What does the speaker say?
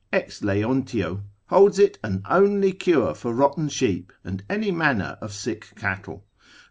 ex Leontio, holds it an only cure for rotten sheep, and any manner of sick cattle.